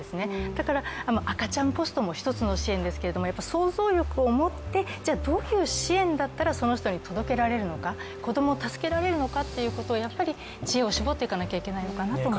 だから、赤ちゃんポストも１つの支援ですけれども、想像力を持って、じゃあどういう支援だったらその人に届けられるのか子どもを助けられるのかということを、知恵を絞っていかないといけないのかなと思います。